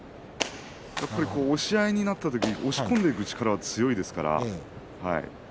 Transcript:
やっぱり押し合いになった時に押し込んでいく力が強いですから。